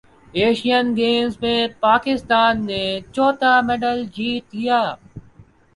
Asian Games میں پاکستان نے چوتھا میڈل جیت لیا